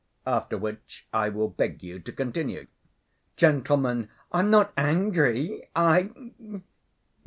After which I will beg you to continue." "Gentlemen, I'm not angry ... I